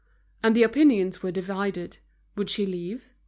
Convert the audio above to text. And the opinions were divided. Would she leave?